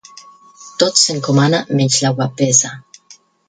Tot s'encomana menys la guapesa.